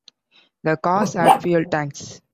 The cars had fuel tanks.